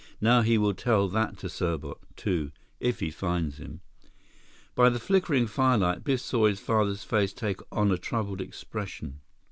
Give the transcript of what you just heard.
Now he will tell that to Serbot, too—if he finds him." By the flickering firelight, Biff saw his father's face take on a troubled expression.